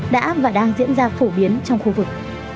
đã và đang diễn ra phổ biến trong khu vực